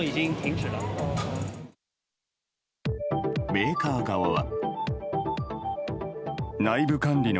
メーカー側は。